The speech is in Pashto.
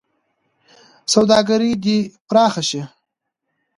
سوداګري دې پراخه شي.